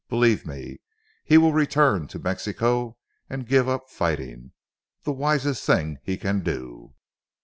Believe me, he will return to Mexico, and give up fighting. The wisest thing he can do."